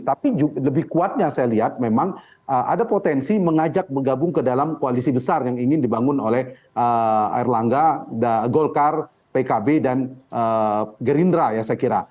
tapi lebih kuatnya saya lihat memang ada potensi mengajak menggabung ke dalam koalisi besar yang ingin dibangun oleh air langga golkar pkb dan gerindra ya saya kira